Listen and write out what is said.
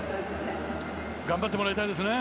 頑張ってもらいたいですね。